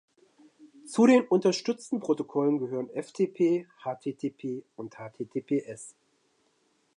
Zu den unterstützten Protokollen gehören ftp, http und https.